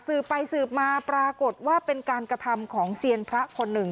สืบไปสืบมาปรากฏว่าเป็นการกระทำของเซียนพระคนหนึ่ง